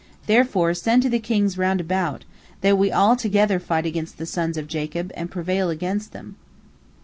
Therefore, send to the kings round about, that we all together fight against the sons of Jacob, and prevail against them."